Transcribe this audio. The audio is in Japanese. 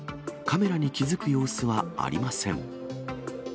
カメラに気付く様子はありません。